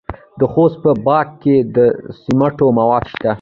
د خوست په باک کې د سمنټو مواد شته.